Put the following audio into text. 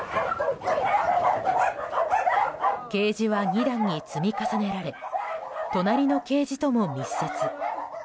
ケージは２段に積み重ねられ隣のケージとも密接。